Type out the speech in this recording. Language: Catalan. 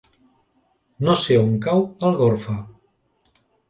No sé on cau Algorfa.